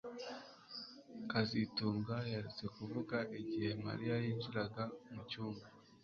kazitunga yaretse kuvuga igihe Mariya yinjiraga mucyumba